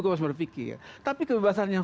kebebasan berpikir tapi kebebasan yang